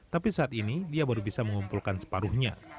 tapi saat ini dia baru bisa mengumpulkan separuhnya